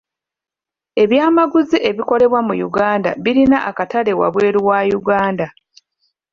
Ebyamaguzi ebikolebwa mu Uganda bilina akatale waabweru wa Uganda.